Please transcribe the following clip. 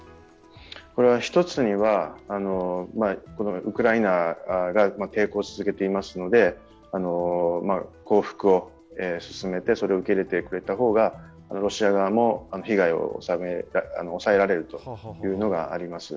１つには、ウクライナが抵抗を続けていますので降伏を進めてそれを受け入れてくれた方がロシア側も被害を抑えられるというのがあります。